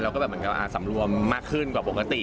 เราก็สำรวมมากขึ้นกว่าปกติ